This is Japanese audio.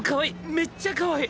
めっちゃかわいい！